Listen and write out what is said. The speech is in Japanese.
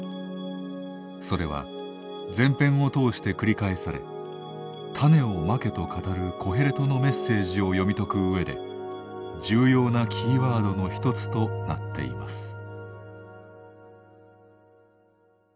それは全編を通して繰り返され「種を蒔け」と語るコヘレトのメッセージを読み解くうえで重要なキーワードの一つとなっています。